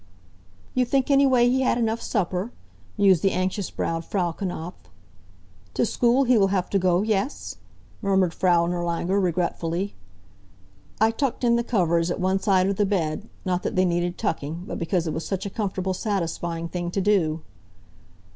"You think anyway he had enough supper? mused the anxious browed Frau Knapf. "To school he will have to go, yes?" murmured Frau Nirlanger, regretfully. I tucked in the covers at one side of the bed, not that they needed tucking, but because it was such a comfortable, satisfying thing to do.